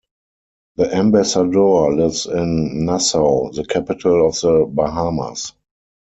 The ambassador lives in Nassau, the capital of the Bahamas.